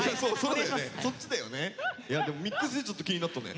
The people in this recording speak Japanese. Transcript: でもミックスジュースちょっと気になったね。